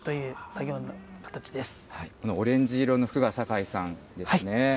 このオレンジ色の服が坂井さんですね。